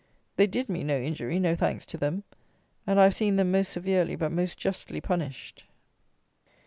They did me no injury, no thanks to them; and I have seen them most severely, but most justly, punished.